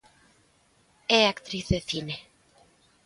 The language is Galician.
É actriz de cine.